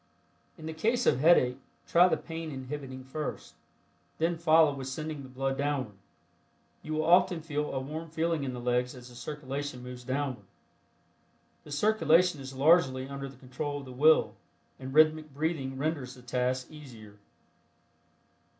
In the case of headache, try the Pain Inhibiting first, then follow with sending the blood downward. You will often feel a warm feeling in the legs as the circulation moves downward. The circulation is largely under the control of the will and rhythmic breathing renders the task easier.